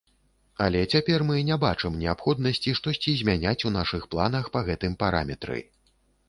Але цяпер мы не бачым неабходнасці штосьці змяняць у нашых планах па гэтым параметры.